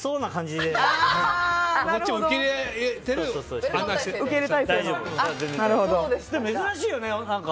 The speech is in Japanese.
でも珍しいよね。